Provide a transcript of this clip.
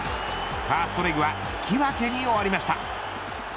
ファーストレグは引き分けに終わりました。